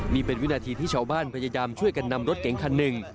นี่เป็นวินาทีที่ชาวบ้านพยายามช่วยกันนำรถเก๋งคันหนึ่ง